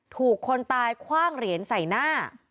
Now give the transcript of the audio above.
ถูกคนตายคว่างเหรียญใส่หน้า